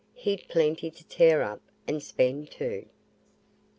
he'd plenty to tear up and spend too."